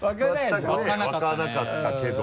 湧かなかったけど。